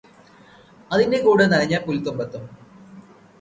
അതിന്റെ കൂട് നനഞ്ഞ പുല്തുമ്പത്തും